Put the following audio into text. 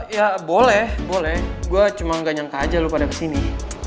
ya boleh boleh gue cuma gak nyangka aja lu pada kesini